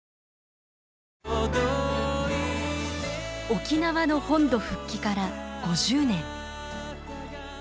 沖縄の本土復帰から５０年。